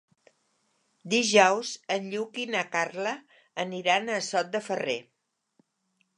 Dijous en Lluc i na Carla aniran a Sot de Ferrer.